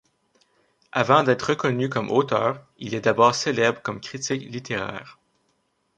Avant d'être reconnu comme auteur, il est d'abord célèbre comme critique littéraire.